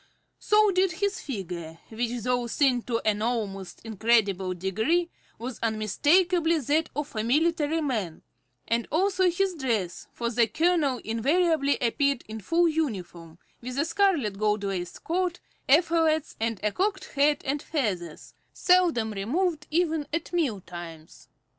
So did his figure, which, though thin to an almost incredible degree, was unmistakably that of a military man, and also his dress, for the colonel invariably appeared in full uniform, with a scarlet, gold laced coat, epaulettes, and a cocked hat and feathers, seldom removed even at meal times.